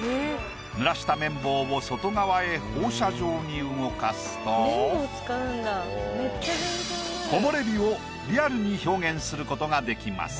濡らした綿棒を外側へ放射状に動かすと木漏れ日をリアルに表現することができます。